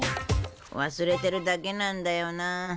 忘れてるだけなんだよな。